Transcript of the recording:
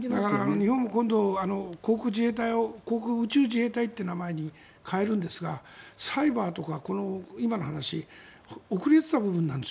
日本も今度、航空自衛隊を航空宇宙自衛隊という名前に変えるんですがサイバーとか今の話遅れていた部分なんです。